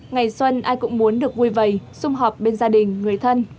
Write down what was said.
ngày xuân ai cũng muốn được vui vầy xung họp bên gia đình người thân